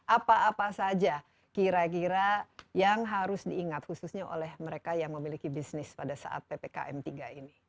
apa apa saja kira kira yang harus diingat khususnya oleh mereka yang memiliki bisnis pada saat ppkm tiga ini